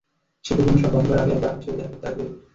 শীতের জন্য সব বন্ধ করার আগে একবার আমাদের সাথে দেখা করতে আসবে?